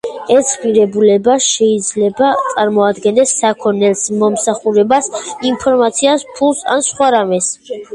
ეს ღირებულება შეიძლება წარმოადგენდეს საქონელს, მომსახურებას, ინფორმაციას, ფულს ან სხვა რამეს.